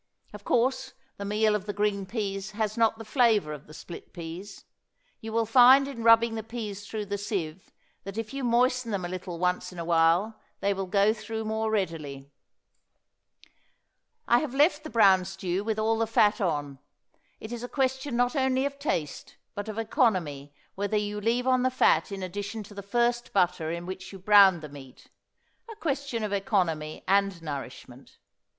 Of course the meal of the green peas has not the flavor of the split peas. You will find in rubbing the peas through the sieve that if you moisten them a little once in a while they will go through more readily. I have left the brown stew with all the fat on. It is a question not only of taste but of economy whether you leave on the fat in addition to the first butter in which you browned the meat, a question of economy and nourishment.